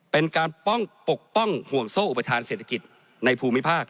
เป็นการป้องปกป้องห่วงโซ่อุปทานเศรษฐกิจในภูมิภาค